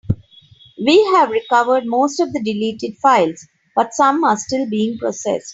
We have recovered most of the deleted files, but some are still being processed.